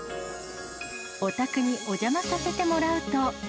お宅にお邪魔させてもらうと。